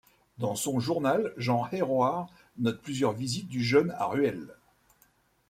Dans son journal, Jean Héroard note plusieurs visites du jeune à Ruel.